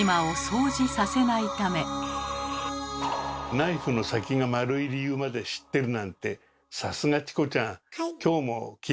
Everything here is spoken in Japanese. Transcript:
ナイフの先が丸い理由まで知ってるなんてさすがチコちゃん！